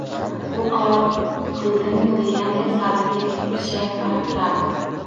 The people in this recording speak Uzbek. U qoyil qildimmi, deganday Salimga ishshayib qarab turardi.